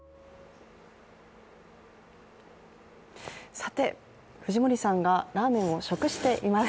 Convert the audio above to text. さて、藤森さんがラーメンを食しています。